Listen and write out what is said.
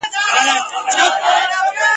په تاخچو کي به يې ايښوول